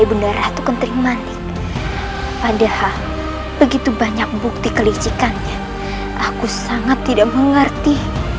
ibunda ratu kentrim manik padahal begitu banyak bukti kelicikannya aku sangat tidak mengerti